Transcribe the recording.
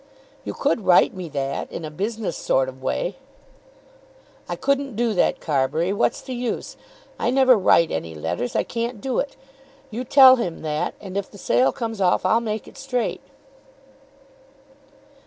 "You could write me that, in a business sort of way." "I couldn't do that, Carbury. What's the use? I never write any letters. I can't do it. You tell him that; and if the sale comes off, I'll make it straight."